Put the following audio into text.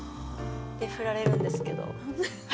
でフラれるんですけど。